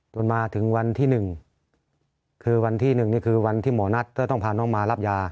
จนมาถึงวันที่๑คือวันที่๑นี่คือวันที่หมอนัทก็ต้องพาน้องมารับยา